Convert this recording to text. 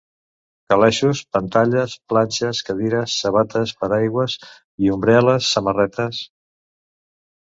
Calaixos, pantalles, planxes, cadires, sabates, paraigües i ombrel·les, samarretes...